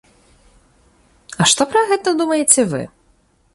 А што пра гэта думаеце вы?